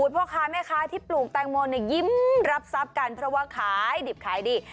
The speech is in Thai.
พ่อค้าแม่ค้าที่ปลูกแตงโมเนี่ยยิ้มรับทรัพย์กันเพราะว่าขายดิบขายดี